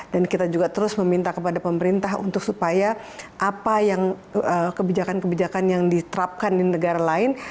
dan kita juga terus meminta kepada pemerintah untuk supaya apa yang kebijakan kebijakan yang diterapkan di negara lain